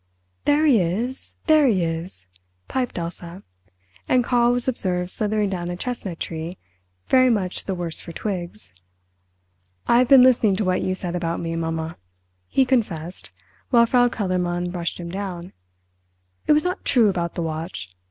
"There he is—there he is," piped Elsa, and Karl was observed slithering down a chestnut tree, very much the worse for twigs. "I've been listening to what you said about me, mumma," he confessed while Frau Kellermann brushed him down. "It was not true about the watch.